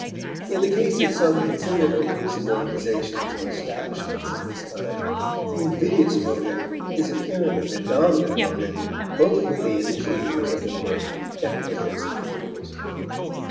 In the case of some considerable groups of organizations or establishments of this kind the invidious motive is apparently the dominant motive both with the initiators of the work and with their supporters.